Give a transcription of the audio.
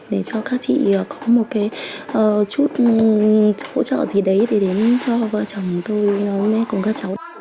để cho các chị có một chút hỗ trợ gì đấy để đến cho vợ chồng tôi cùng các cháu